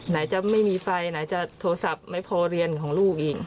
ไหนจะไม่มีไฟไหนจะโทรศัพท์ไม่พอเรียนของลูกอีก